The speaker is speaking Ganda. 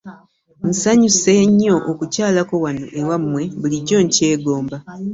Nsanyuse nnyo okukyalako wano ewammwe bulijjo nkyegomba.